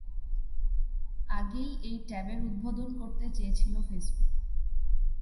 আগেই এই ট্যাবের উদ্বোধন করতে চেয়েছিল ফেসবুক।